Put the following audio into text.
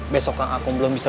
besoknya aku belum bisa